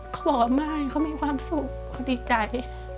เขาบอกไม่เขามีความสุขเขาดีใจ